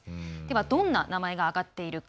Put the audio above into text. どんな名前が挙がっているか。